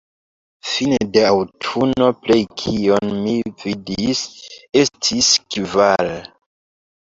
Fine de aŭtuno plej kion mi vidis estis kvar.